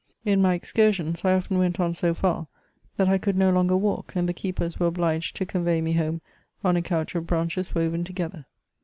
In my excursions I often went on so far, that I could no longer walk, and the keepers were obliged to convey me home on a couch of branches woven together.